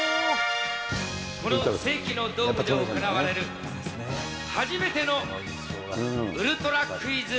この世紀のドームで行われる、初めてのウルトラクイズ。